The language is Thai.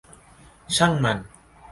ช่างมัน